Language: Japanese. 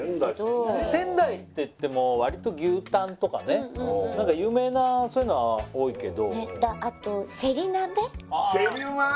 仙台っていってもわりと牛タンとかね有名なそういうのは多いけどあとせり鍋せりうまい！